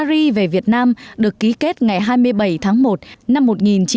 hiệp định paris về việt nam được ký kết ngày hai mươi bảy tháng một năm một nghìn chín trăm bảy mươi ba